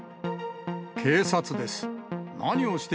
警察です。